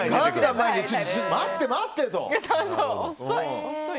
待って、待ってと。